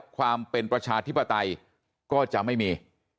ความเป็นประชาธิปไตยก็จะไม่มี